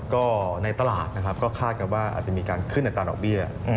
ก็ในตลาดนะครับก็คาดกันว่าอาจจะมีการขึ้นอัตราดอกเบี้ย